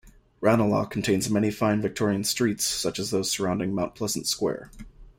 Ranelagh contains many fine Victorian streets such as those surrounding Mount Pleasant Square.